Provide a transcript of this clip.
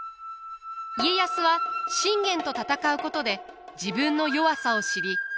家康は信玄と戦うことで自分の弱さを知り多くを学びます。